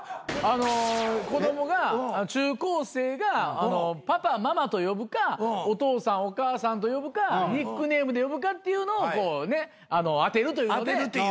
あの子供が中高生がパパママと呼ぶかお父さんお母さんと呼ぶかニックネームで呼ぶかっていうのを当てるというので。